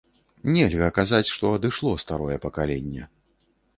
Нельга казаць, што адышло старое пакаленне.